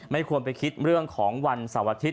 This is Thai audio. ไม่ควรไปคิดเรื่องของวันสวทธิศ